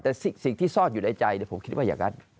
แต่สิ่งที่ซ่อนอยู่ในใจผมคิดว่าอย่างนั้น